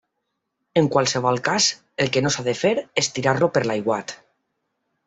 En qualsevol cas el que no s'ha de fer és tirar-lo per l'aiguat.